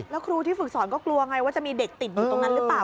แล้วครูที่ฝึกสอนก็กลัวไงว่าจะมีเด็กติดอยู่ตรงนั้นหรือเปล่า